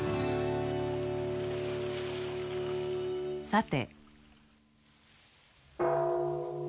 さて。